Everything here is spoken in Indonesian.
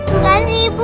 enggak sih ibu